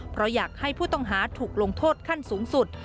เพราะอยากให้ผู้ต้องหาถูกลงโทษขั้นสูงสุด